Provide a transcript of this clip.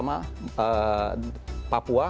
sampai ke papua